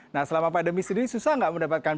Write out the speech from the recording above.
nah selama pandemi sendiri susah nggak mendapatkan